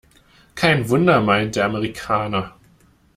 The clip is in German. Kein Wunder, meint der Amerikaner.